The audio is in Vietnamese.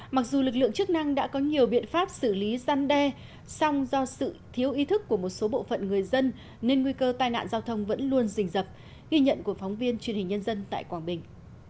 mặc dù lực lượng chức năng đã có nhiều biện pháp xử lý gian đe song do sự thiếu ý thức của một số bộ phận người dân nên nguy cơ tai nạn giao thông vẫn luôn rình rập ghi nhận của phóng viên truyền hình nhân dân tại quảng bình